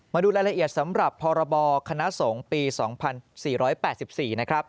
มาดูรายละเอียดสำหรับพรบคณะสงฆ์ปี๒๔๘๔นะครับ